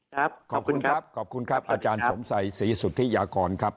ขอบคุณครับขอบคุณครับอาจารย์สมชัยศรีสุธิยากรครับ